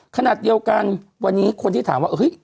ขนาดเดียวกันวันนี้คนที่ถามว่า